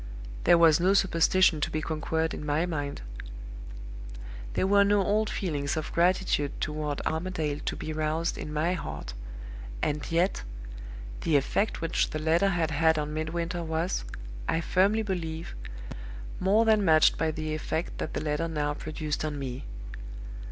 There was no superstition to be conquered in my mind; there were no old feelings of gratitude toward Armadale to be roused in my heart; and yet, the effect which the letter had had on Midwinter was, I firmly believe, more than matched by the effect that the letter now produced on me.